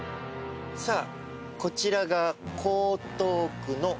さあこちらが。